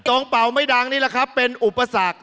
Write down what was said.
เป่าไม่ดังนี่แหละครับเป็นอุปสรรค